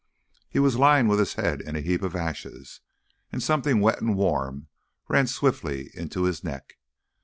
He was lying with his head in a heap of ashes, and something wet and warm ran swiftly into his neck.